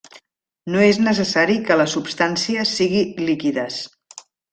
No és necessari que la substància sigui líquides.